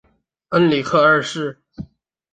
恩里克二世。